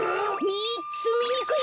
みっつみにくい